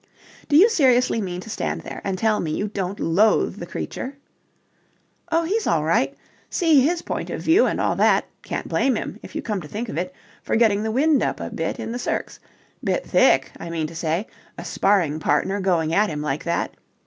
"Do you seriously mean to stand there and tell me you don't loathe the creature?" "Oh, he's all right. See his point of view and all that. Can't blame him, if you come to think of it, for getting the wind up a bit in the circs. Bit thick, I mean to say, a sparring partner going at him like that.